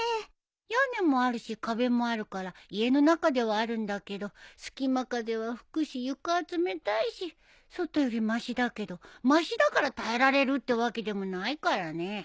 屋根もあるし壁もあるから家の中ではあるんだけど隙間風は吹くし床は冷たいし外よりましだけどましだから耐えられるってわけでもないからね。